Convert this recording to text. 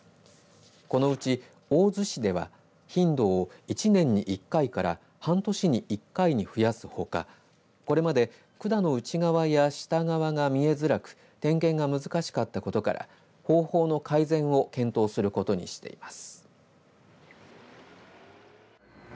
このうち、大洲市では頻度を１年に１回から半年に１回に増やすほかこれまで管の内側や下側が見えづらく点検が難しかったことから方法の改善を検討することにしています。